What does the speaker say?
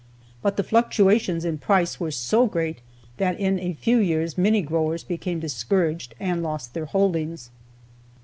But the fluctuations in price were so great that in a few years many growers became discouraged and lost their holdings.